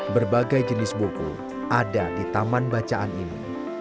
berbagai jenis buku ada di taman bacaan ini